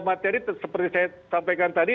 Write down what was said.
materi seperti saya sampaikan tadi